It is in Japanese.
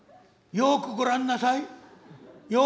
よくご覧なさい。